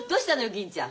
銀ちゃん。